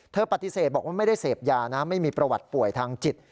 ปฏิเสธบอกว่าไม่ได้เสพยานะไม่มีประวัติป่วยทางจิต